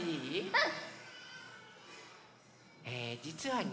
うん。